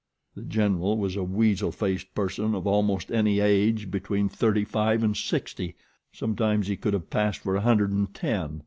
The General was a weasel faced person of almost any age between thirty five and sixty. Sometimes he could have passed for a hundred and ten.